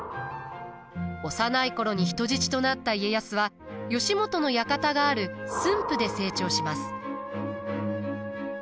幼い頃に人質となった家康は義元の館がある駿府で成長します。